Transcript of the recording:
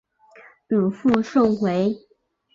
祖父宋回。